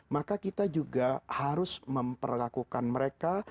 maka kita juga harus memperlakukan mereka